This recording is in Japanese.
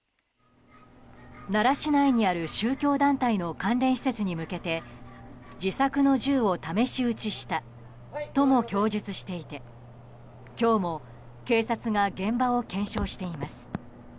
奈良市内にある宗教団体の関連施設に向けて自作の銃を試し撃ちしたとも供述していて今日も警察が現場を検証しています。